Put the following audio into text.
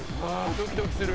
ドキドキする。